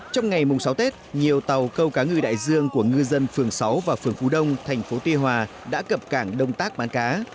trong ngày mùng sáu tết nhiều tàu câu cá ngừ đại dương của ngư dân phường sáu và phường phú đông thành phố tuy hòa đã cập cảng đông tác bán cá